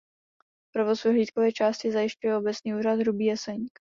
Provoz vyhlídkové části zajišťuje Obecní úřad Hrubý Jeseník.